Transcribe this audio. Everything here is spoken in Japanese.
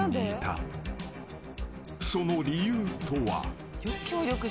［その理由とは］